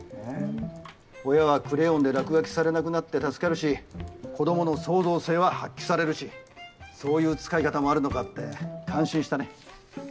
親はクレヨンで落書きされなくなって助かるし子供の創造性は発揮されるしそういう使い方もあるのかって感心したね。